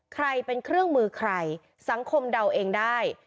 ใครเป็นเครื่องมือใครสังคมเดาเองได้